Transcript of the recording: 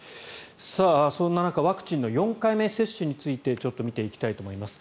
そんな中ワクチンの４回目接種について見ていきたいと思います。